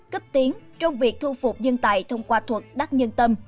cấp tiến trong việc thu phục nhân tài thông qua thuật đắc nhân tâm